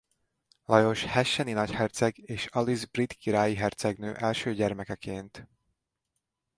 Lajos hesseni nagyherceg és Aliz brit királyi hercegnő első gyermekeként.